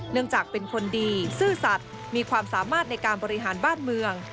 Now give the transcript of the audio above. เนื่องจากเป็นคนดีซื่อสัตว์มีความสามารถในการบริหารบ้านเมือง